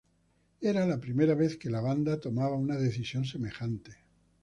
Era la primera vez que la banda tomaba una decisión semejante.